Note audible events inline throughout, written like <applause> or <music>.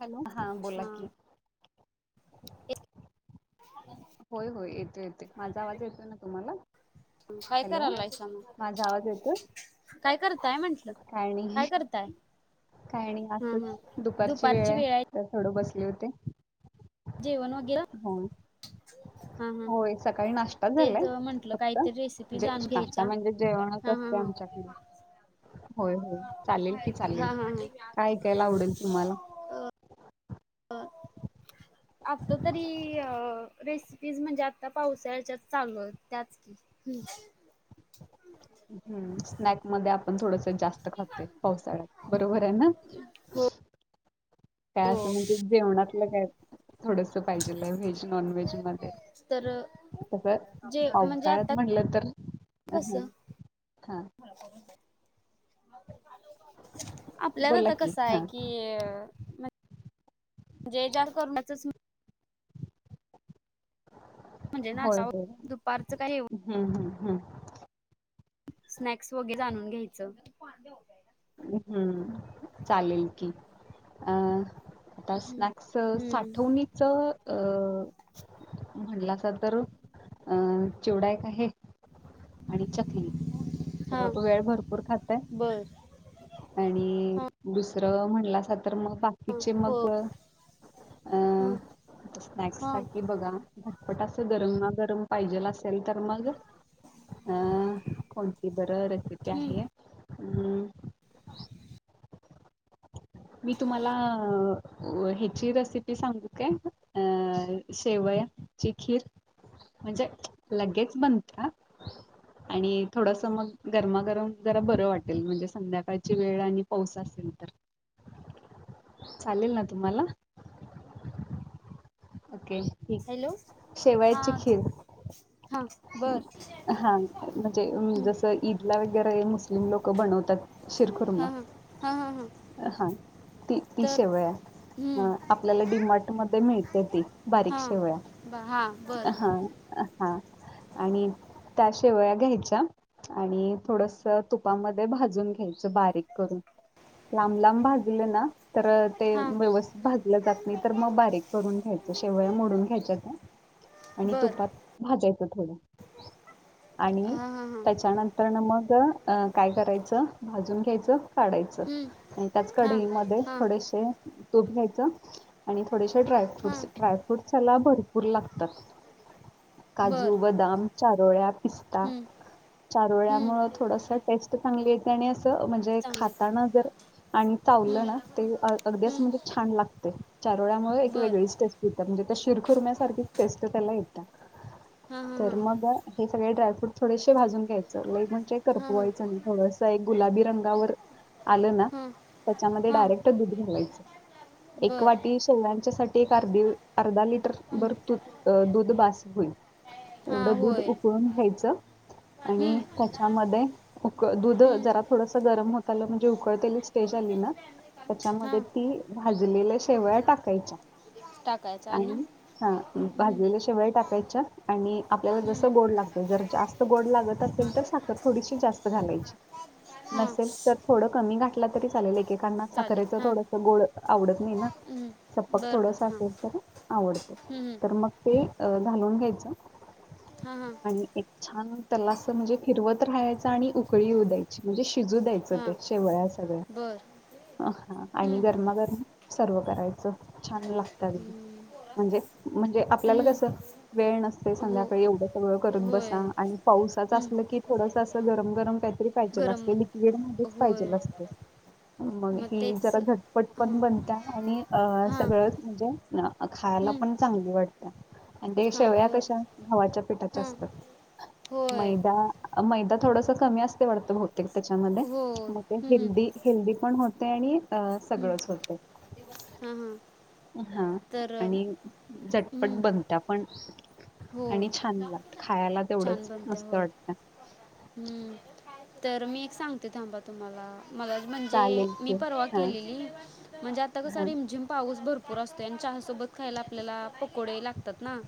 Hello हा बोला की... हा होय होय येतो येते माझा आवाज येतोय ना तुम्हाला... काय हॅलो करलायस माझा ना आवाज येतोय काय करताय म्हंटल काय करताय... काय नाही असंच दुपारची वेळ आहे तर थोड बसली होते... जेवण... हो... हो... होय सकाळी नाश्ता झालाय म्हंटलं फक्त काहीतरी रेसिपी जाणून नाश्ता घ्यायच्या. म्हणजे जेवणच असते आ... च. ह <inaudible> होय हो चालेल की चालेल काय ऐकायला आवडेल तुम्हाला. ह. <inaudible> आता तरी अ रेसिपीज म्हणजे आता पावसाळ्याच्याच चालू आहेत त्याच की. हम्. हम् स्नॅक मध्ये आपण थोडं. जास्त खात पावसाळ्यात बरोबर आहे ना. हो काय असं हो म्हणजे जेवणातलं काय. थोडस पाहिजेलय व्हेज नॉन व्हेज मध्ये. तर तस पावसाळ्यात म्हणलं तर कस? ह हा आपल्याला बोला आता की कसं हा आहे कि. म्हणजे ज्या कर. म्हणजे हो नाश्ता हो दुपारचं काय हम् हम् ह. स्नॅक्स वगैरे जाणून घ्यायचं. हम्म चालेल की अ. आता स्नॅक्स हम्म हम्म साठवणीच अ. म्हणलासा तर अ चिवडाय का आहे. आणि चकली हा तर तू वेळ भरपूर खातय. बर आणि हा दुसरं म्हटलं अस तर मग बाकीचे हो मग. अ ह स्नॅक्स हा साठी बघा झटपट अस गरम. गरम पाहिजे असेल तर मग अ कोणती. बर रेसिपी हम्म आहे अ. मी तुम्हाला ह्याची रेसिपी सांग का शेव. खीर म्हणजे लगेच बनते. आणि थोडस मग गरमागरम जरा बरं वाटेल म्हणजे संध्याकाळची वेळ आणि पाऊस असेल. तर. चालेल ना तुम्हाला? ओके. हॅलो हा शेवयाची खीर. हा बर हा म्हणजे हम्म जस ईदला वगैरे मुस्लिम लोक. बनवतात शिरखुर. हा हा हा हा हां ती तर शेवय हम्म आपल्याला डी मार्ट मध्ये मिळतात ती. बारीक हां शेवया ब हां बर हा. हा <unintelligible> आणि त्याशिवया घ्यायच्या आणि थोडस तुपामध्ये भाजून घ्यायचं बारीक करून. ह लांब लांब भाजूलं ना. तर ते हां व्यवस्थित भाजलं जात नाही तर मग बारीक करून घ्यायचं शेवया मोडून घ्यायच्या त्या. आणि बर तुपात भाजायचं थोडं. आणि हां हां त्याच्यानंतर ना मग अ काय करायचं. भाजून घ्यायचं काढायचं आणि त्याच हां कढईमध्ये हां हां थोडेसे. तूप घ्यायचा आणि थोडेसे हां ड्रय्रूट्स ड्रायफ्रूट्स. त्याला भरपूर लागतात. बर काजू बदाम चारोळ्या पिस्ता. हम्म हम्म चारोळ्यामुळे थोडस टेस्ट चांगली. त्या अस म्हणजे चांगले की खाताना जर आणि चावलं ना हम्म ते अगदी असं म्हणजे हम्म छान लागत. चारोळ्यामुळे एक बर वेगळीच टेस्ट येतात म्हणजे त्या शिरखुरम्यासारखीच टेस्ट त्याला येता. हां हां तर हां मग हे सगळे ड्रायफ्रूट थोडेसे भाजून घ्यायचंईक म्हण. ते हां करपवायचं नाही गुलाबी रंगावर आलं ना. हां हां त्याच्यामध्ये हां डायरेक्ट दूध घावायच एक बर वाटी शेवच्या सा. ते कर दे अर्धा लिटर. हम्म र दूध बस होईल हां एवढं दूध होय उकळून घ्यायचं. आणि हम्म, त्याच्यामध्ये उक दुध हम्म, जरा थोडस गरम होत आल म्हणजे उकळते. ली ना त्याच्यामध्ये हां ती भाजलेल्या शेवया टाकायचा टाकायचं आणि हम्म, हा भाजलेल्या शेवया टाकायच्या आणि आपल्याला जस हम्म, गोड लागत ज. जास्त गोड लागत असेल तर साखर थोडीशी जास्त घालायची. हां नसेल तर थोडं कमी घाठला तरी चालेल क कांना चालेल साखरेचं हां थोडस गोड आवडत नाही ना हम्म, चपक बरं बरं हां थोडसफेल तर आवडत हम्म, तर मग ते हम्म, घालून घ्यायचं हां हां आणि एक छान त्याला अस म्हणजे फिरवत राहायच आणि उकळीऊ द्यायची म्हणजे शिजू द्यायचं हां ते शेवळ बरं सगळ्या आणि हम्म, गरमा गरमा सर्व करायचं छान लागतं अदी म्हणजे म्हणजे आपल्याला हम्म, कस वेळ नसते हो संध्याकाळी एवढं सगळं करून होय बस ां आणि पावसाच हम्म, असलं की थोडस अस गरम गरम े गरम लिक्विड मग मध्येच पाहिजे होय नसते <unintelligible> मग ही जरा झटपट हां पण बनत आणि हां सगळंच म्हणजे खायला हम्म, पण चांगली वाटते आणि ते हां शेवया बरं कशा हवाच्या पिठाच्या हां असतात होय मैदा मैदा थोडस कमी असते वाटतं बतेक त्याच्यामध्ये हो मग ते हम्म, हेल्दी हेल्दी पण होते आणि अ हम्म, सगळंच होत हां हां हा तर आणि हम्म, झटपट बघता पण आणि होय छान लागत खायला छान तेवढंच बनत्या मस्त होय वाटतं हम्म तर मी एक सांगते थांबा तुम्हाला मला म्हणजे चालेल मी की परवा हा केलेली म्हणजे आता कसं हा रिमझिम पाऊस भरूर पूर असतो आणि चह सोबत खायला आपल्याला पकोडे लागतात ना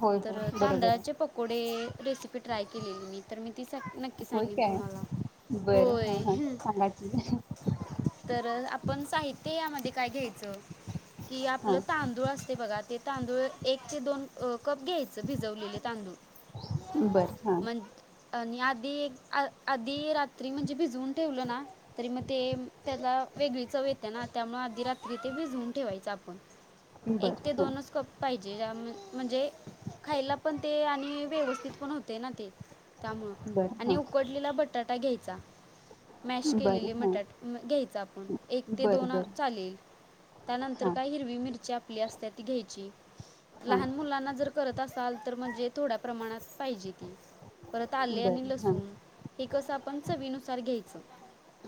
होय तर होय बरोबर तांदळाचे आहे पकोडे रेसिपी ट्राय केलेली मी तर मी त नक्की होय सांगेन काय तुम्हाला बरं हां होय हां सांगा की तर आपण साहित्य यामध्ये काय घ्यायचं कि हां आपलं तांदूळ अस ते बघा तांदूळ एकचे दोन कप घ्यायचं भिजवलेले बरं हां तांदूळण आणि आधी आधी रात्री म्हणजे भिजून ठेवलं ना तरी मग ते त्याला वेगळी चव येत आहे ना त्यामुळे आधी रात्री ते भिजवून ठेवायचं आपण एक बरं ते हां दोनच कप पाहिजे म्हणजे खायला पण ते आणि व्यवस्थित पण होते ना ते त्यामुळ बरं आणि हां उकडलेला बटाटा घ्यायचा मॅश केलेले बरं हां मटाट घ्यायच आपण एक ते बरं दोन बरं चालेल त्यानंतर हां काय हिरवी मिरची आपली असते ती घ्यायची हां लहान लाना जर करत असाल तर म्हणजे थोड्या प्रमाणात पाहिजे त परत आले आणि बरं हां लसूण हे कसं आपण चवीनुसार घ्यायचं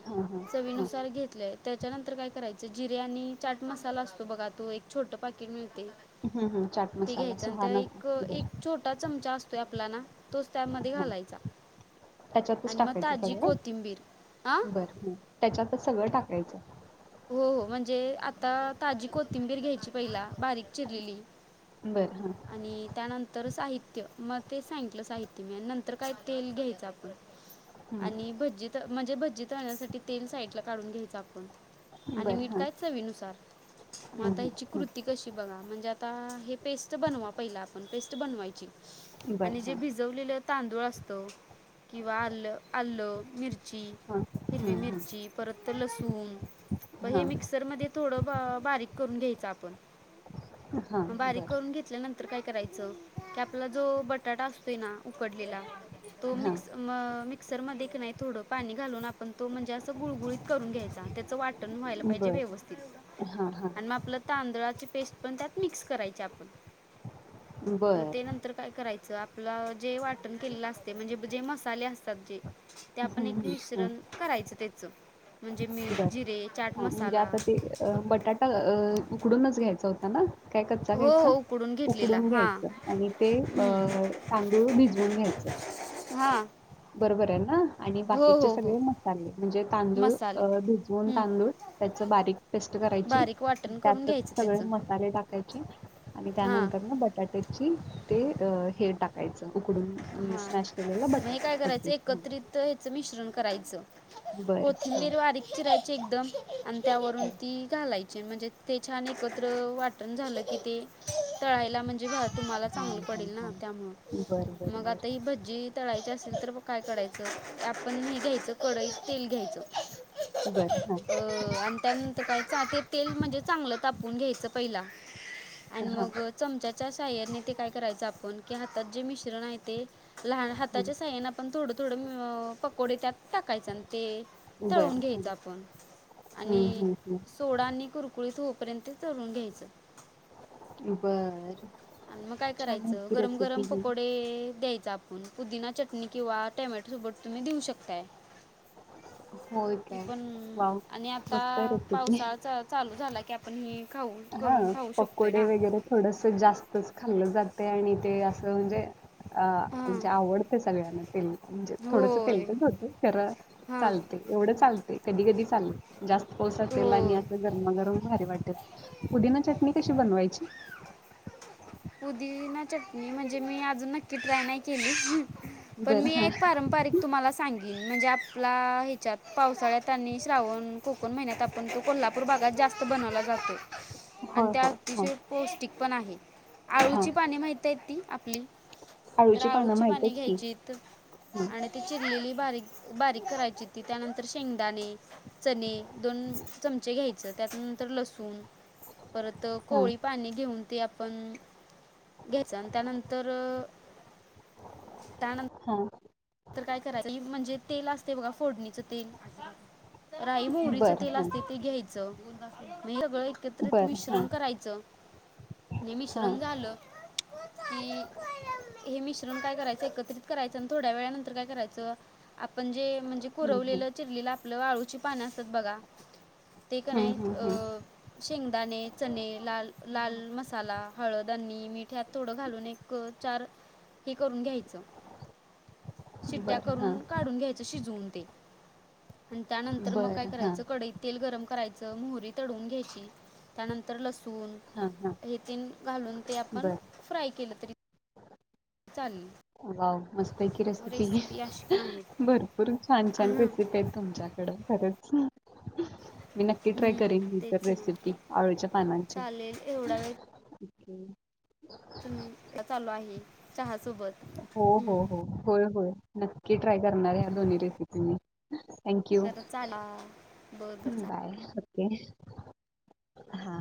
हां हां हां चवीनुसार घेतलेय त्याच्या नंतर काय करायचं जिर्या आणि चाट मसाला असतो बघा तो एक छोट पाकीट मिळते हम् हम ते घ्यायच आणि ते एक एक छोटा चमचा असतोय आपला ना तोच त्यामध्ये हां घालायचा त्याच्यातच आणि मग टाकायचं ताजी कोथिंबीर हां सगळ बर त्याच्यातच सगळं टाका नाहीच्या हो हो म्हणजे आता ताजी कोथिंबीर घ्यायची पहिला बारीक चिरलेली बरं हां आणि त्यानंतर साहित्य मग ते सांगितलं साहित्य मी आणि नंतर काय तेल घ्यायचं आपलं हं आणि भज्जी म्हणजे भजी तळण्यासाठी तेल साइड ला काढून घ्यायच आपण आणि बरं मीठ हां कायच चवीनुसार मग हं आता हं हिची कृती कशी बघा म्हणजे आता हे पेस्ट बनवा पहि आपण पेस्ट बनवायची हं बरं जे हां भिजवले तांदूळ असतो किंवा आलं आलं मिरची हां हिरवी हं हं मिरची परत तर लसूण प हे हां मिक्सर मध्ये थोडं बारीक करून घ्यायचं आपण हा मग बारीक ब करून घेतल्यानंतर काय करायचं की आपला जो बटाटा असतोय ना उकडलेला तो हा मिक्स मिक्सर म की नाही थोडं पाणी घालून आप पण तो म्हणजे असं गुळगुळीत करून घ्यायचा त्याचं वाटण व्हायला पाहिजे बर व्यवस्थित हा हा आणि मग आपलं तांदळाची पेस्ट पण त्यात मिक्स करायचे आपण मग ते बर नंतर काय करायच आपलं जे वाटण केलेलं असते म्हणजे जे मसाले असतात जे ते आपण हम्म एक हम्म मिश्रण हम्म करायचं त्याच बर हा म्हणजे आता ते बटाटा उकडूनच घ्यायचा होता ना काय कच्चा हो घायचं हो उकडून घेतलेला उकडून हां घ्यायचं आणि ते अ तांदूळ भिजवून घ्यायचं हां बरोबर आहे ना आणि हो बाकीचे हो हो सगळे मसाले म्हणजे तांदूळ मसाले भिजवून हं. तांदूळ त्याच बारीक पेस्ट करायची बारीक वाटण करून त्यातच घ्यायचं सगळे त्याचं मसाले टाकायचे आणि हां त्यानंतर ना बटाट्याची ते हे टाकायचं उकडून स्मॅश केलेला बटाटा करायच ओके एकत्रित हेच मिश्रण करायचं बरं हां कोथिंबीर बारीक चिरायची एकदम आणि त्यावरून हां ती घालायची म्हणजे ते छान एकत्र वाटण झालं की किती तळायला म्हणजे घट्ट तुम्हाला हां चांगलं हां पडेल ना हां बरं त्यामुळे बरं मग आता बरं ही भजी तळायची असेल तर मग काय करता आपण हे घ्यायचं कडईत तेल घ्यायच हो बरं हां आणि त्यानंतर कायच ते तेल म्हणजे चांगलं तापून घ्यायचं पहिला आणि हां मग चमच्याच्या सहाय्याने ते काय करायचं आपण कि हातात जे मिश्रण आहे ते लहान हां हाताच्या सहाय्याने आपण थोडं थोडं पकोडे त्यात टाकायचे आणि ते तळून बरं हां घ्यायचं आपण हं आणि हं सोडा आणि कुरकुळीत होऊपर्यंत तळुन घ्यायचं हं बर आणि मग काय करायचं गरम गरम ही पकोडे द्यायचे. पुदिना चटणी किंवा टोमॅटो सोबट तुम्ही देऊ शकताय होय कि काय पण वाव आणि आता मस्त रेसिपी पावसाळा चालू झाला की आपण हि हा पकोडे वगैरे थोडस जास्तच खाल्लं जाते आणि ते असं म्हणजे अ हां म्हणजे आवडते सगळ्यांना तेल म्हणजे थोडस होय तेलकट होते खर हां चालत एवढं चालतय कधी कधी चालेल जास्त पाऊस असेल आणि होय असं गरमागरम भारी वाटेल पुदिना चटणी कशी बनवायची पुदिना चटणी म्हणजे मी अजून नक्की ट्राय नाही केली पण बरं मी हा एक पारंपरिक तुम्हाला सांगीतल म्हणजे आपला ह्याच्यात पावसाळ्यात आणि श्रावण कोकण महिन्यात आपण तो कोल्हापूर भागात जास्त बनवला जातो आणि होय त्या होय हा अतिशय पौष्टिक पण आहे हा आळूची पाने माहती आहे ती आपली तर पानं आळूची माहित पाणी आहेत की घ्यायचीत ह आणि ती चिरलेली बारीक बारीक करायची ती त्यानंतर तर शेंगदाणे चणे दोन चमचे घ्यायचं त्यानंतर लसूण परत हा कोवळी पाने घेऊन ते आपण घ्यायच आणि त्यानंतर त्यान हा तरर काय करायचं एक म्हणजे तेल असते बघा फोडणीचं तेल राई मोहरीच बरं तेल हा असते ते घ्यायचं. सगळं एकत्रित बरं हा मिश्रण करायचं हा मिश्रण झालं की हे मिश्रण काय करायचं एकत्रित करायचं आणि थोड्या वेळा नंतर काय करायचं आपण जे म्हणजे हं हं कुरवलेलं चिरलीलं आपलं आळूची पाणी असतात बघा ते हं कणाय हं अ हं शेंगदाणे चने लाल लाल मसाला हळद आणि मीठ यात थोडं घालून एक चार हे करून घ्यायच शिट्ट्या बरं हां करून काढून घ्यायचं शिजवून आणि त्यानंतर मग काय बरं हां करायचं कडईत तेल गरम करायचं मोहरी तडवून घायच्ची त्यानंतर लसूण हां हां हे त घालून ते आपण बरं फ्राय केलं तरी चालेल वाव मस्त आहे की रेसिपी अशी पण आहे भरपूर छान छान हां रेसिपी आहे तुमच्याकडे खरच मी नक्की ट्राय हम्म, करेन इतर तेच ना रेसिपी अळूच्या पानांची चालेल एवढा वेळ ओके तुम्ही चालो आहे चहा सोबत हो हो हो होय होय नक्की ट्राय करणार या दोन्ही रेसिपीी थँक्यू तर चाला बरं बरं चालेल बाय हा